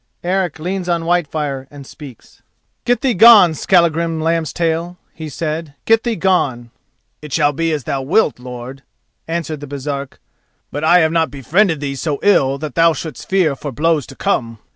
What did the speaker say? Eric leans on Whitefire and speaks: "Get thee gone, Skallagrim Lambstail!" he said; "get thee gone!" "It shall be as thou wilt, lord," answered the Baresark; "but I have not befriended thee so ill that thou shouldst fear for blows to come."